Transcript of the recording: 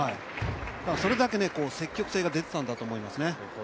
それだけ、積極性が出てたんだと思いますね。